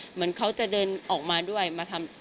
เหมือนเขาจะเดินออกมาด้วยมาทำ